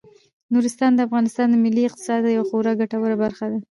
نورستان د افغانستان د ملي اقتصاد یوه خورا ګټوره برخه ده.